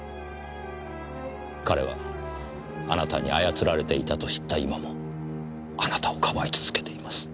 彼はあなたに操られていたと知った今もあなたをかばい続けています。